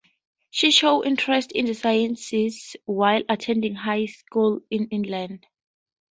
She showed interest in the sciences while attending high school in England.